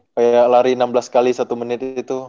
kayak lari enam belas kali satu menit itu